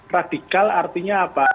radikal artinya apa